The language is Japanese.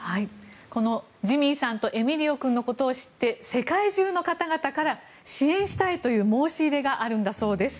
このジミーさんとエミリオ君のことを知って世界中の方々から支援したいという申し入れがあるんだそうです。